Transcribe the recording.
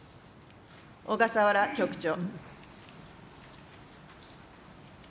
小笠原局長。